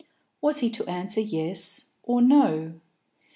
Was he to answer yes or no?